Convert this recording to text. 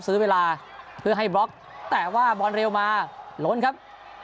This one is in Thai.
ซื้อเวลาเพื่อให้บล็อกแต่ว่าบอลเร็วมาล้นครับ